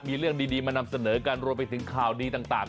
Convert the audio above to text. มีเรื่องดีมานำเสนอกันรวมไปถึงข่าวดีต่าง